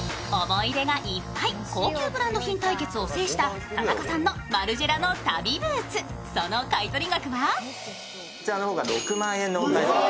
思い出がいっぱい、高級ブランド品対決を制した田中さんのマルジェラのＴＡＢＩブーツ、その買取額は？